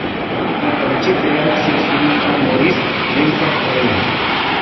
The township derives its name from Maurice, Prince of Orange.